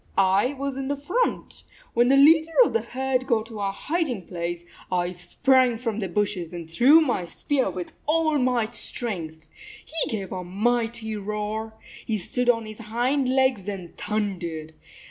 " I was in front. When the leader of the herd got to our hiding place, I sprang from the bushes and threw my spear with all my strength. He gave a mighty roar. He stood on his hind legs and thundered.